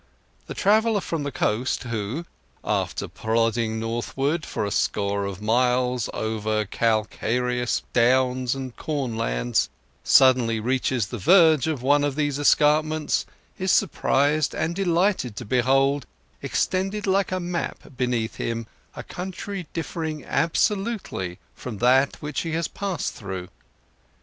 The traveller from the coast, who, after plodding northward for a score of miles over calcareous downs and corn lands, suddenly reaches the verge of one of these escarpments, is surprised and delighted to behold, extended like a map beneath him, a country differing absolutely from that which he has passed through.